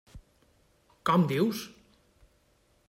Com dius?